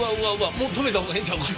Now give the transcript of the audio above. もう止めた方がええんちゃうか。